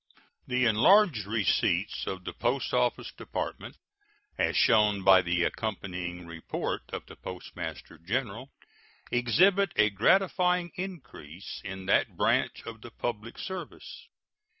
The enlarged receipts of the Post Office Department, as shown by the accompanying report of the Postmaster General, exhibit a gratifying increase in that branch of the public service.